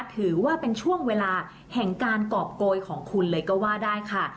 ถือว่าเป็นช่วงเวลาแห่งการกรอบโกยของคุณเลยก็ว่าได้ค่ะ